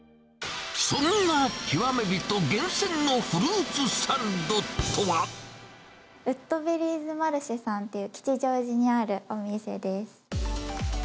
そんな極め人厳選のフルーツウッドベリーズマルシェさんっていう、吉祥寺にあるお店です。